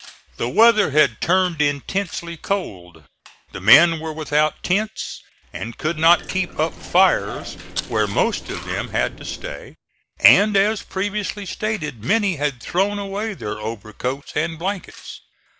The weather had turned intensely cold; the men were without tents and could not keep up fires where most of them had to stay, and, as previously stated, many had thrown away their overcoats and blankets.